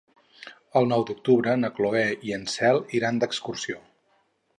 El nou d'octubre na Cloè i na Cel iran d'excursió.